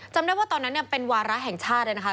จำได้ว่าตอนนั้นเป็นวาระแห่งชาติเลยนะคะ